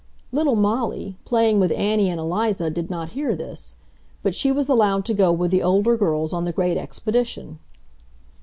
Little Molly, playing with Annie and Eliza, did not hear this; but she was allowed to go with the older girls on the great expedition.